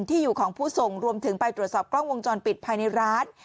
ที่อยู่ของผู้ส่งรวมถึงไปตรวจสอบกล้องวงจรปิดภายในร้าน